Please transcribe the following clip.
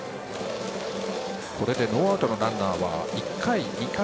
これでノーアウトのランナーは１回、２回、３回。